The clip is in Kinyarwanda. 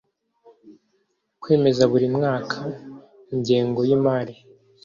Kwemeza buri mwaka Ingengo y Imari